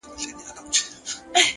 بیرته چي یې راوړې ـ هغه بل وي زما نه ـ